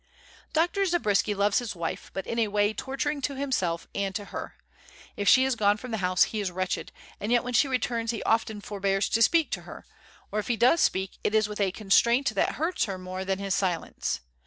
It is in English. Dr. Zabriskie loves his wife, but in a way torturing to himself and to her. If she is gone from the house he is wretched, and yet when she returns he often forbears to speak to her, or if he does speak it is with a constraint that hurts her more than his silence.